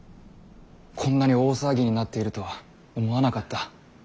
こんなに大騒ぎになっているとは思わなかった。